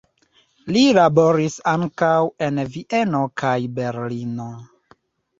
Li laboris ankaŭ en Vieno kaj Berlino.